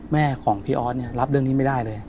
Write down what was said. แม่ของพี่ออสเนี่ยรับเรื่องนี้ไม่ได้เลย